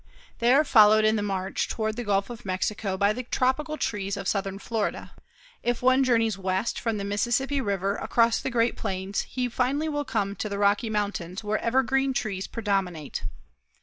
They are followed in the march toward the Gulf of Mexico by the tropical trees of southern Florida. If one journeys west from the Mississippi River across the Great Plains he finally will come to the Rocky Mountains, where evergreen trees predominate.